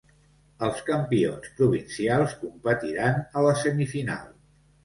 Els campions provincials competiran a la semifinal.